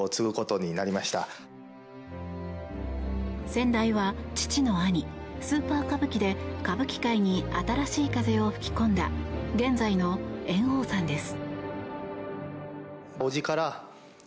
先代は父の兄スーパー歌舞伎で歌舞伎界に新しい風を吹き込んだ現在の猿翁さんです。